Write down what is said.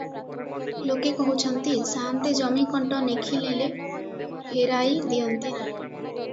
ଲୋକେ କହୁଛନ୍ତି, ସାଆନ୍ତେ ଜମି କଣ୍ଟ ନେଖିନେଲେ ଫେରାଇ ଦିଅନ୍ତି ନାହିଁ ।